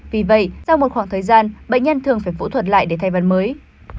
vì vậy sau một khoảng thời gian bệnh nhân thường phải phụ thuật lại để thay van mới